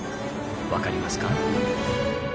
分かりますか？